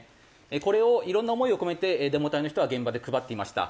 これを色んな思いを込めてデモ隊の人は現場で配っていました。